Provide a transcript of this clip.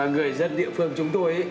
người dân địa phương chúng tôi